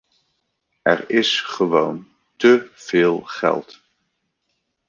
Er is gewoon te veel geld.